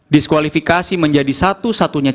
diskualifikasi menjadi satu satunya